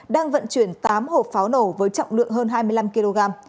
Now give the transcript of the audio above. đang vận chuyển tám hộp pháo nổ với trọng lượng hơn hai mươi năm kg